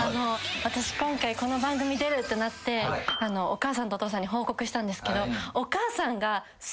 私今回この番組出るってなってお母さんとお父さんに報告したんですけど。